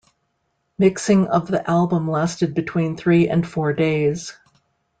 Mixing of the album lasted between three and four days.